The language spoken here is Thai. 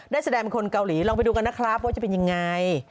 ได้แสดงเป็นคนเกาหลีลองไปดูกันนะครับว่าจะเป็นยังไง